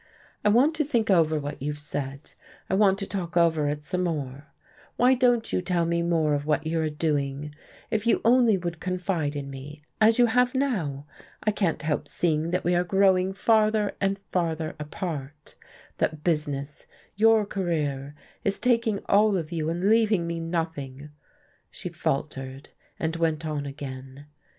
I want to think over what you've said, I want to talk over it some more. Why won't you tell me more of what you are doing? If you only would confide in me as you have now! I can't help seeing that we are growing farther and farther apart, that business, your career, is taking all of you and leaving me nothing." She faltered, and went on again.